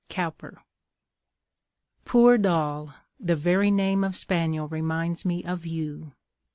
'" COWPER. Poor Doll! the very name of spaniel reminds me of you.